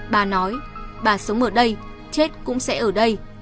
bà nói bà sống ở đây chết cũng sẽ ở đây